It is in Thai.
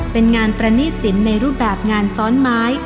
เป็นงานประณีตสินในรูปแบบงานซ้อนไม้